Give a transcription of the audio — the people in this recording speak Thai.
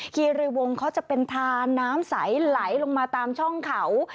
คีรีวงเขาจะเป็นทาน้ำใสไหลลงมาตามช่องเขา